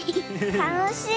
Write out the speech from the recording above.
たのしい！